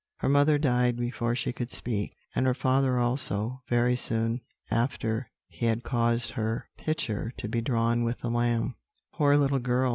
Her mother died before she could speak, and her father also, very soon after he had caused her picture to be drawn with the lamb." "Poor little girl!"